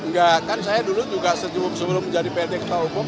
enggak kan saya dulu juga sebelum menjadi pt ketua umum